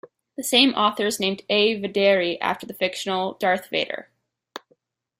The same authors named "A. vaderi" after the fictional Darth Vader.